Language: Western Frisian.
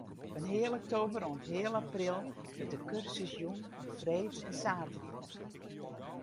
Fan heal oktober oant heal april wurdt de kursus jûn op freed en saterdei.